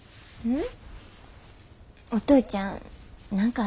うん。